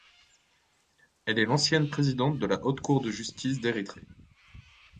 Elle est l'ancienne présidente de la Haute Cour de Justice d'Érythrée.